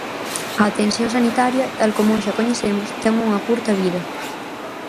A atención sanitaria, tal como hoxe a coñecemos, ten unha curta vida.